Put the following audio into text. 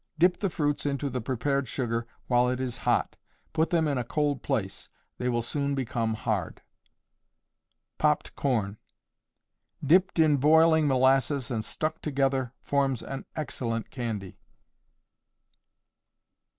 Dip the fruits into the prepared sugar while it is hot; put them in a cold place; they will soon become hard. Popped Corn. Dipped in boiling molasses and stuck together forms an excellent candy.